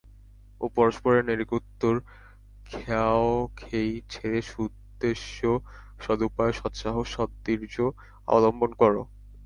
ও পরস্পরের নেড়িকুত্তোর খেয়োখেয়ী ছেড়ে সদুদ্দেশ্য, সদুপায়, সৎসাহস, সদ্বীর্য অবলম্বন কর।